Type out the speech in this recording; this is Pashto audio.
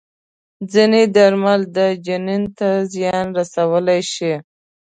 ځینې درمل د جنین ته زیان رسولی شي.